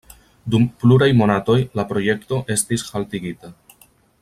Dum pluraj monatoj la projekto estis haltigita.